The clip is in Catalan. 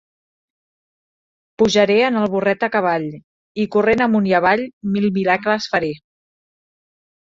Pujaré en el burret a cavall; i, corrent amunt i avall, mil miracles faré.